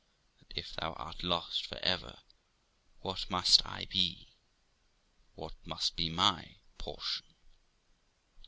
And if thou art lost for ever, what must I be? what must be my portion?'